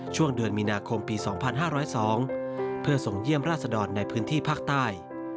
ช่วงเดือนมีนาคมปี๒๕๐๒เพื่อส่งเยี่ยมราชดรในพื้นที่ภาคใต้